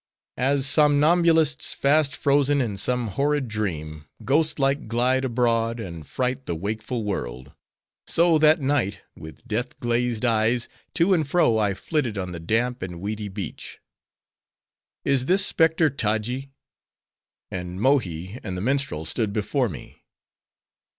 As somnambulists fast frozen in some horrid dream, ghost like glide abroad, and fright the wakeful world; so that night, with death glazed eyes, to and fro I flitted on the damp and weedy beach. "Is this specter, Taji?"—and Mohi and the minstrel stood before me.